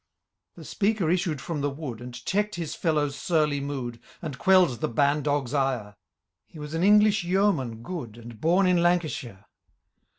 The speaker issued from the wood. And check'd his fellow's surly mooii. And quell'd the ban dog's ire : He was an English yeoman good. And bom in Lancashire.